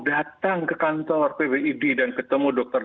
datang ke kantor pbid dan ketemu dokter